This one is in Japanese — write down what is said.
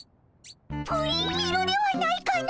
プリン色ではないかの！